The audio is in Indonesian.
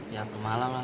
ya kemalam lah